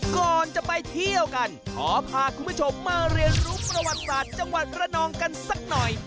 ก่อนจะไปเที่ยวกันขอพาคุณผู้ชมมาเรียนรู้ประวัติศาสตร์จังหวัดระนองกันสักหน่อย